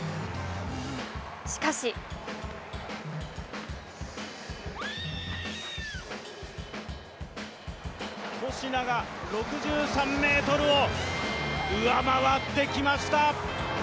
しかしコシナが６３ｍを上回ってきました。